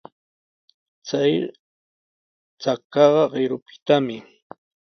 Chay chakaqa qirupitami.